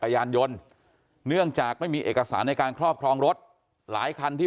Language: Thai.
ยานยนต์เนื่องจากไม่มีเอกสารในการครอบครองรถหลายคันที่